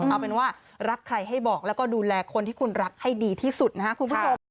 เอาเป็นว่ารักใครให้บอกแล้วก็ดูแลคนที่คุณรักให้ดีที่สุดนะครับคุณผู้ชม